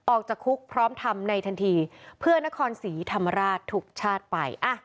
ออกจากคุกพร้อมทำในทันทีเพื่อนครศรีธรรมราชทุกชาติไป